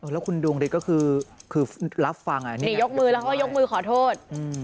แล้วคุณดวงดิก็คือรับฟังอันนี้ยกมือแล้วก็ยกมือขอโทษ